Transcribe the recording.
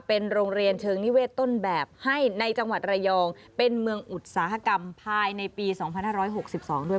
เป็นโรงเรียนเชิงนิเวศต้นแบบให้ในจังหวัดระยองเป็นเมืองอุตสาหกรรมภายในปี๒๕๖๒ด้วย